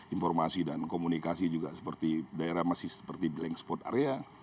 informasi dan komunikasi juga seperti daerah masih seperti blank spot area